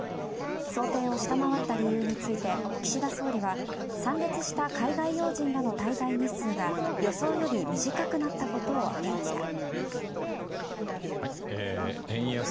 想定を下回った理由について岸田総理は参列した海外要人らの滞在日数が予想より短くなったことを挙げました。